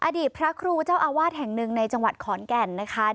อดีตพระครูเจ้าอาวาสแห่งหนึ่งในจังหวัดขอนแก่นนะคะ